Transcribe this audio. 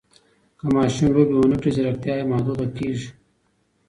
که ماشوم لوبې ونه کړي، ځیرکتیا یې محدوده کېږي.